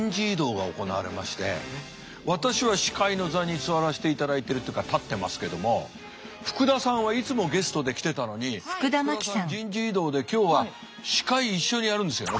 私は司会の座に座らせていただいてるっていうか立ってますけども福田さんはいつもゲストで来てたのに福田さん人事異動で今日は司会一緒にやるんですよね